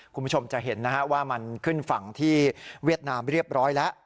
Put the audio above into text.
คุณผู้ชมจะเห็นนะฮะว่ามันขึ้นฝั่งที่เวียดนามเรียบร้อยแล้ว